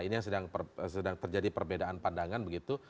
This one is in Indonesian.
ini yang sedang terjadi perbedaan pandangan begitu